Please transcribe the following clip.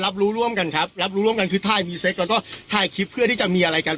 รับรู้ร่วมกันครับรับรู้ร่วมกันคือถ่ายพรีเซ็กแล้วก็ถ่ายคลิปเพื่อที่จะมีอะไรกัน